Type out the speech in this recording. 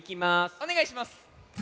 おねがいします。